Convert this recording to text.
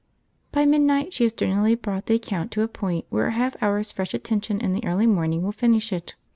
By midnight she has generally brought the account to a point where a half hour's fresh attention in the early morning will finish it.